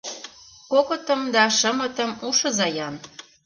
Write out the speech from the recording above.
Кокытым да шымытым ушыза-ян.